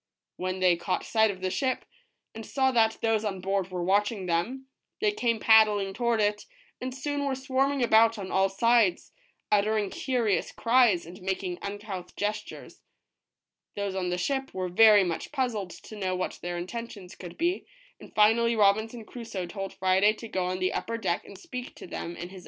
When they caught sight of the ship, and saw that those on board were watching them, they came paddling toward it, and soon were swarming about on all sides, uttering curious cries, and making uncouth gestures. Those on the ship were very much puzzled to know what their intentions could be, and finally Robinson Crusoe told Friday to go on the upper deck and speak to them in his 149 ROBINSON CRUSOE. A SHIP IN SIGHT.